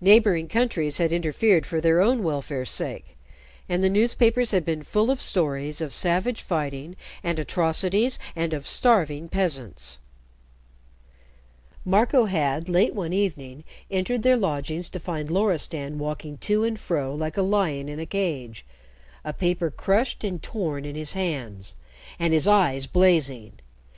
Neighboring countries had interfered for their own welfare's sake, and the newspapers had been full of stories of savage fighting and atrocities, and of starving peasants. Marco had late one evening entered their lodgings to find Loristan walking to and fro like a lion in a cage, a paper crushed and torn in his hands, and his eyes blazing.